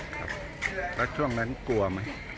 แล้วช่วงนั้นกลัวไหม